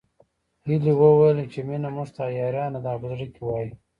هيلې وويل چې مينه موږ ته حيرانه ده او په زړه کې وايي